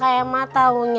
apa yang kamu lakukan